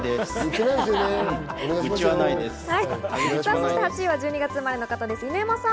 そして８位は１２月生まれの方、犬山さん。